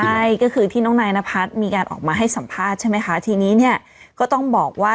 ใช่ก็คือที่น้องนายนพัฒน์มีการออกมาให้สัมภาษณ์ใช่ไหมคะทีนี้เนี่ยก็ต้องบอกว่า